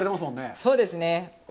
そうですね。